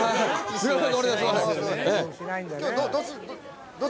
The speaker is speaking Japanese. すいません。